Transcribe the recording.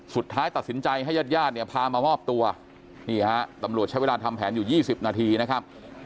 สุดท้ายตัดสินใจให้ญาติญาติเนี่ยพามามอบตัวนี่ฮะตำรวจใช้เวลาทำแผนอยู่๒๐นาทีนะครับ